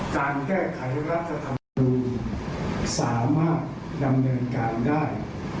การแก้ไขรัฐธรรมนูลสามารถดำเนินการได้